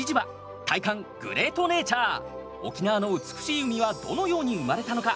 沖縄の美しい海はどのように生まれたのか。